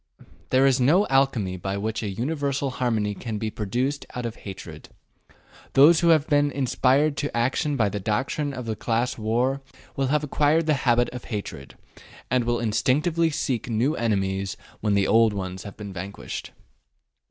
There is no alchemy by which a universal harmony can be produced out of hatred. Those who have been inspired to action by the doctrine of the class war will have acquired the habit of hatred, and will instinctively seek new enemies when the old ones have been vanquished.